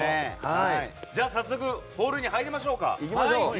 じゃあ早速ホールに入りましょうか。